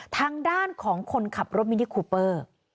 ทางด้านของคนขับรถมินิคูเปอร์